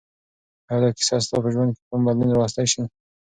آیا دا کیسه ستا په ژوند کې کوم بدلون راوستی شي؟